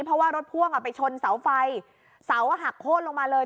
เพราะว่ารถพ่วงอ่ะไปชนเสาไฟเสาหักโค้นลงมาเลย